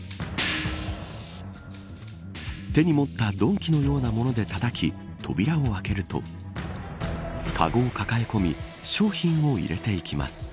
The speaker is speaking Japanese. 手に持った鈍器のようなものでたたき扉を開けるとかごを抱え込み商品を入れていきます。